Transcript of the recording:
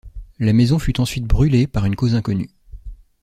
La maison fut ensuite brûlée par une cause inconnue.